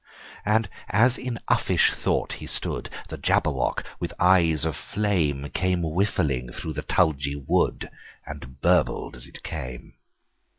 And as in uffish thought he stood, The Jabberwock, with eyes of flame, Came whiffling through the tulgey wood, And burbled as it came!